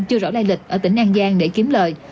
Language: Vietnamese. chưa rõ đai lịch ở tỉnh an giang để kiếm lợi